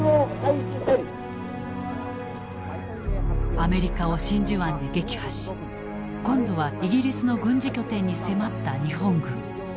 アメリカを真珠湾で撃破し今度はイギリスの軍事拠点に迫った日本軍。